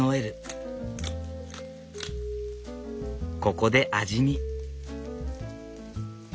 ここで味見。